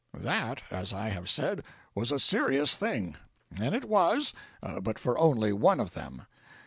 "That, as I have said, was a serious thing. And it was but for only one of them.